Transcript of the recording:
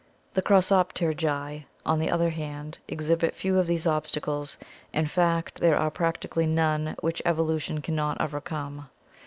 The Crossop terygii, on the other hand, exhibit fewer of these obstacles, in fact, there are practically none which evolution can not overcome.